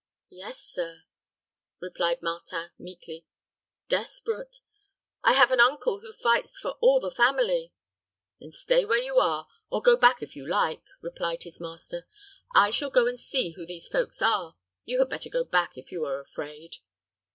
"Yes, sir," replied Martin, meekly: "desperate I have an uncle who fights for all the family." "Then stay where you are, or go back if you like," replied his master. "I shall go and see who these folks are. You had better go back, if you are afraid."